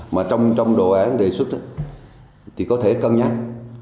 mà trong đồ án đề xuất thì có thể cân nhắc